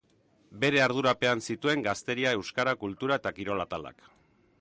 Bere ardurapean zituen Gazteria, Euskara, Kultura eta Kirol atalak.